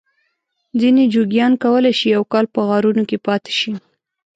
ځینې جوګیان کولای شي یو کال په غارونو کې پاته شي.